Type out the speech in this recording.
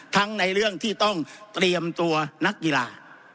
ในเรื่องที่ต้องเตรียมตัวนักกีฬา